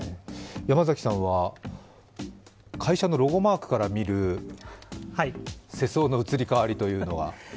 山崎さんは会社のロゴマークから見る世相の移り変わりというのは。